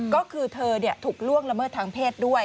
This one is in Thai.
ก็คือเธอถูกล่วงละเมิดทางเพศด้วย